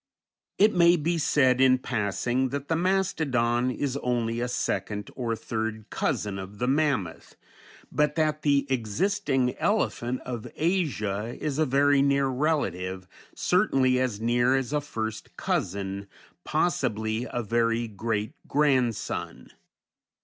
It may be said in passing that the mastodon is only a second or third cousin of the mammoth, but that the existing elephant of Asia is a very near relative, certainly as near as a first cousin, possibly a very great grandson.